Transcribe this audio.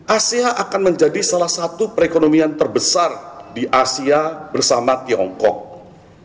asean akan menjadi salah satu pusat produksi domestik yang lebih penting di dunia